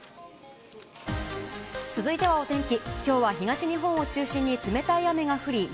続いてはお天気。